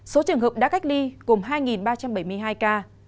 số trường hợp đã cách ly gồm hai ba trăm bảy mươi hai ca